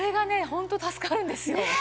ホント助かるんですよ。